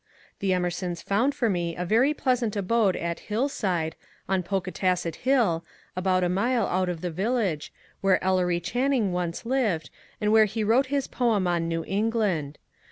The Emersons found for me a very pleasant abode at ^'Hillside/' on Ponkatasset Hill, about a mile out of the village, where Ellery Channing once lived, and where he wrote his poem on New England.